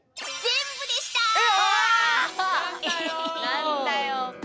何だよ！